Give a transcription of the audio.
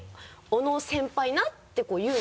「小野先輩な」っていう。